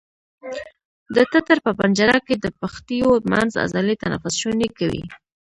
د ټټر په پنجره کې د پښتیو منځ عضلې تنفس شونی کوي.